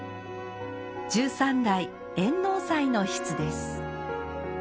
十三代圓能斎の筆です。